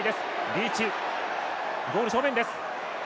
リーチ、ゴール正面です。